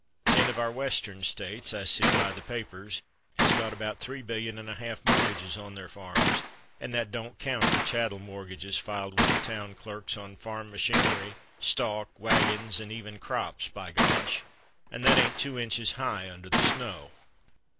Ten of our Western States I see by the papers has got about three billion and a half mortgages on their farms, and that don't count the chattel mortgages filed with the town clerks on farm machinery, stock, waggins, and even crops, by gosh! that ain't two inches high under the snow.